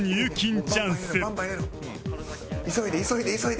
急いで急いで急いで急いで！